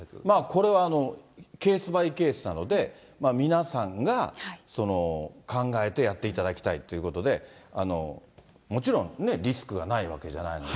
これはケースバイケースなので、皆さんが考えてやっていただきたいということで、もちろんね、リスクがないわけじゃないので。